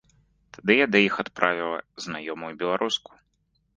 Тады я да іх адправіла знаёмую беларуску.